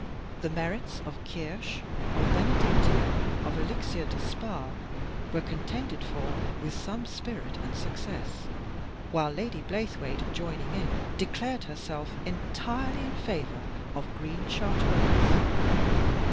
The merits of Kirsch, of Benedictine, of Elixir de Spa were contended for with some spirit and suc cess, while the pretty woman, joining in, declared herself entirely in favor of green Chartreuse.